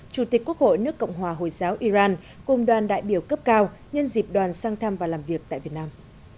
chủ tịch quốc hội nước cộng hòa hồi giáo iran cùng đoàn đại biểu cấp cao nhân dịp đoàn sang thăm và làm việc tại việt nam